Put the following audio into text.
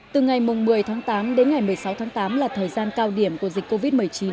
từ ngày một mươi tháng tám đến ngày một mươi sáu tháng tám là thời gian cao điểm của dịch covid một mươi chín